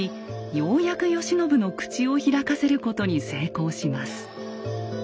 ようやく慶喜の口を開かせることに成功します。